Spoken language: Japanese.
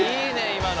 今の。